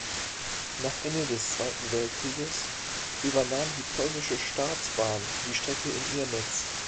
Nach Ende des Zweiten Weltkrieges übernahm die Polnische Staatsbahn die Strecke in ihr Netz.